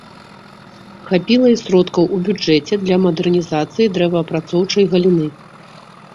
Хапіла і сродкаў у бюджэце для мадэрнізацыі дрэваапрацоўчай галіны.